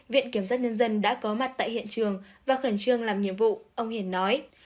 huyện kiểm soát nhân dân đã có mặt tại hiện trường và khẩn trương làm nhiệm vụ ông hiển nói